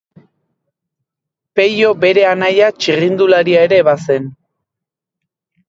Peio bere anaia txirrindularia ere bazen.